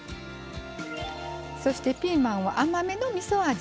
そしてピーマンは甘めのみそ味。